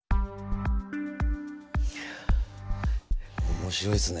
面白いですね。